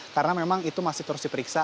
karena memang itu masih terus diperiksa